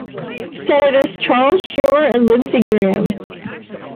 Senators Charles Schumer and Lindsey Graham.